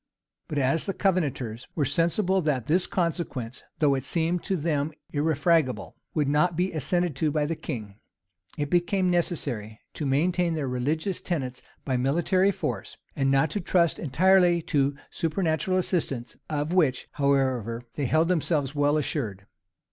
But as the Covenanters were sensible that this consequence, though it seemed to them irrefragable, would not be assented to by the king, it became necessary to maintain their religious tenets by military force, and not to trust entirely to supernatural assistance, of which, however, they held themselves well assured.